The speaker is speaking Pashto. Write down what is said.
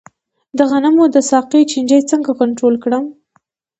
د غنمو د ساقې چینجی څنګه کنټرول کړم؟